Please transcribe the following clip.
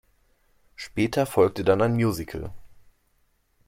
Später folgte dann ein Musical.